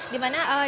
di mana di sini juga